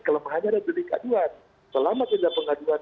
kalau hanya ada delik aduan selama tidak ada pengaduan